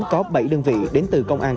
có bảy đơn vị đến từ công an